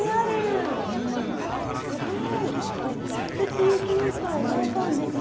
すごい！立体的にトマトを描いたんですね。